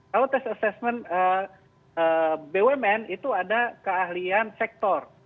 kalau test assessment bumn itu ada keahlian sektor